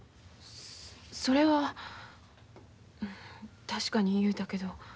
それは確かに言うたけど。